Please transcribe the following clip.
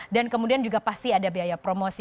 dan kemudian juga pasti ada biaya promosi